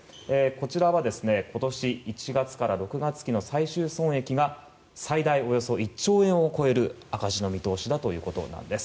こちらは今年１月から６月期の最終損益が最大およそ１兆円を超える赤字の見通しだということです。